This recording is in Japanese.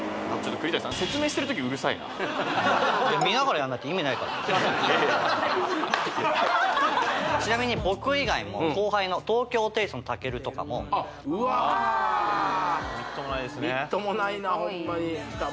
栗谷さんちなみに僕以外も後輩の東京ホテイソンたけるとかもうわみっともないですね